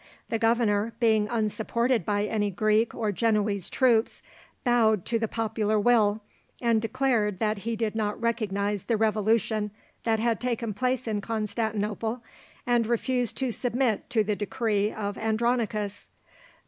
The governor, being unsupported by any Greek or Genoese troops, bowed to the popular will, and declared that he did not recognize the revolution that had taken place in Constantinople, and refused to submit to the decree of Andronicus.